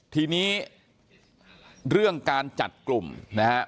ทีนี้เรื่องการจัดกลุ่มนะฮะ